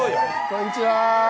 こんにちは。